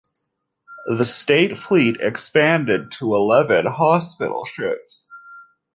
The state fleet expanded to eleven hospital ships.